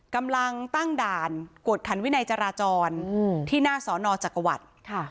กำลังตั้งด่านกวดขันวินัยจราจรที่หน้าสอนอจักรวรรดิ